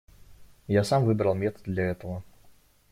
И я сам выбрал метод для этого.